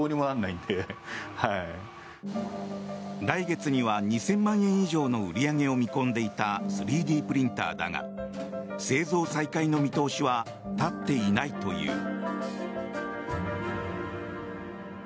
来月には２０００万円以上の売り上げを見込んでいた３Ｄプリンターだが製造再開の見通しは立っていないという。